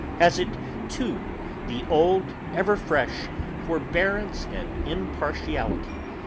Has it too the old ever fresh forbearance and impartiality?